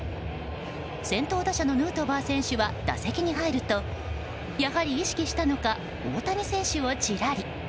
先頭打者のヌートバー選手は打席に入るとやはり意識したのか大谷選手をチラリ。